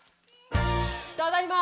ただいま！